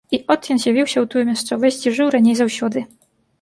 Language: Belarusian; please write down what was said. І от ён з'явіўся ў тую мясцовасць, дзе жыў раней заўсёды.